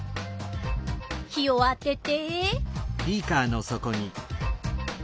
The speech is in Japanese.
火をあてて。